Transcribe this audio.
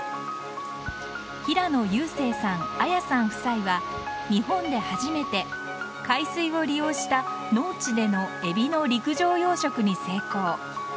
平野雄晟さん・彩さん夫妻は日本で初めて海水を利用した農地でのエビの陸上養殖に成功。